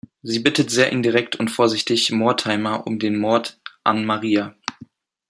Sie bittet sehr indirekt und vorsichtig Mortimer um den Mord an Maria.